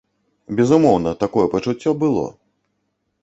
Безумоўна, такое пачуццё было.